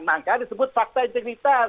nah kan disebut fakta integritas